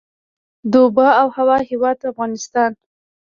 د اوبو او هوا هیواد افغانستان.